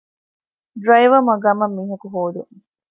ޑްރައިވަރ މަގާމަށް މީހަކު ހޯދުން